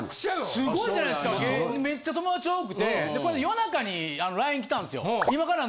すごいじゃないっすかめっちゃ友達多くてこないだ夜中にＬＩＮＥきたんすよ。